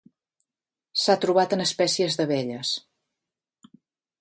S'ha trobat en espècies d'abelles.